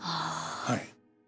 はい。